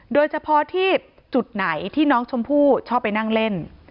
โดยเฉพาะที่จุดไหนที่น้องชมพู่ชอบไปนั่งเล่น